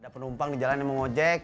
ada penumpang di jalan yang mau ngojek